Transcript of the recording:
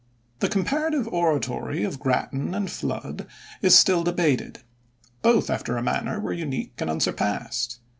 The comparative oratory of Grattan and Flood is still debated. Both after a manner were unique and unsurpassed.